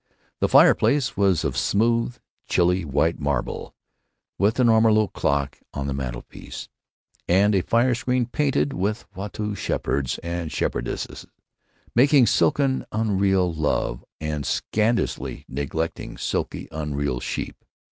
The fireplace was of smooth, chilly white marble, with an ormolu clock on the mantelpiece, and a fire screen painted with Watteau shepherds and shepherdesses, making silken unreal love and scandalously neglecting silky unreal sheep.